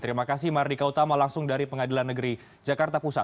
terima kasih mardika utama langsung dari pengadilan negeri jakarta pusat